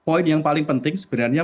poin yang paling penting sebenarnya